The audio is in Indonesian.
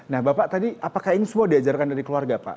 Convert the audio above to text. nah bapak tadi apakah ini semua diajarkan dari keluarga pak